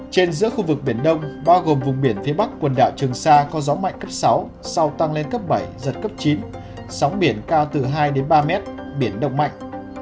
trên giữa khu vực biển đông bao gồm vùng biển phía bắc quần đảo trường sa có gió mạnh cấp sáu sau tăng lên cấp bảy giật cấp chín sóng biển cao từ hai đến ba mét biển động mạnh